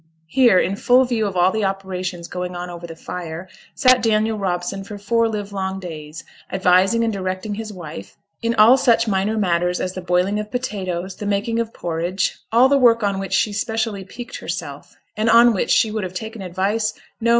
Here, in full view of all the operations going on over the fire, sat Daniel Robson for four live long days, advising and directing his wife in all such minor matters as the boiling of potatoes, the making of porridge, all the work on which she specially piqued herself, and on which she would have taken advice no!